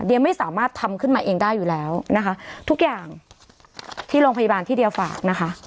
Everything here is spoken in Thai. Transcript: เดี๋ยวไม่สามารถทำขึ้นมาเองได้อยู่แล้วนะคะทุกอย่างที่โรงพยาบาลที่เดียฝากนะคะ